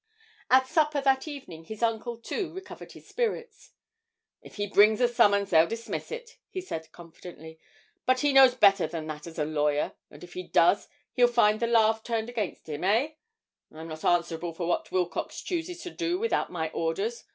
At supper that evening his uncle, too, recovered his spirits: 'If he brings a summons, they'll dismiss it,' he said confidently; 'but he knows better than that as a lawyer if he does, he'll find the laugh turned against him, hey? I'm not answerable for what Wilcox chooses to do without my orders.